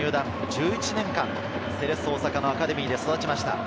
１１年間、セレッソ大阪のアカデミーで育ちました。